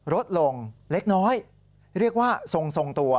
ลดลงเล็กน้อยเรียกว่าทรงตัว